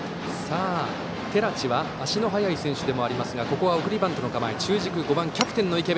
寺地は足の速い選手でもありますがここは送りバントの構え中軸、５番キャプテンの池邉。